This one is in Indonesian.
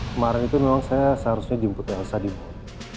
kemarin itu memang saya seharusnya jemput elsa di rumah